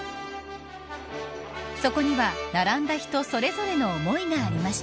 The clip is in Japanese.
そこには、並んだ人それぞれの思いがありました。